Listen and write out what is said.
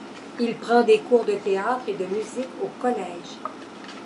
Il prend des cours de théâtre et de musique au collège.